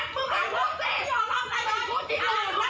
กลับมาพร้อมขอบความ